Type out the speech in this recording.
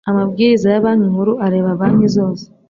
amabwiriza ya banki nkuru areba banki zose